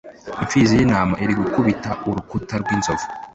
(impfizi y'intama, iri gukubita urukuta rw'inzovu!)